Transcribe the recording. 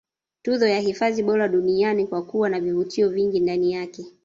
Tuzo ya hifadhi bora duniani kwa kuwa na vivutio vingi ndani yake